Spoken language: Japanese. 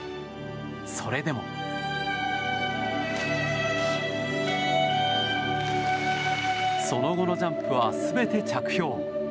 それでもその後のジャンプは全て着氷。